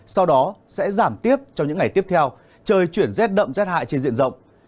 sau đó sẽ giảm tiếp trong những ngày tiếp theo trời chuyển rét đậm rét hại trên diện rộng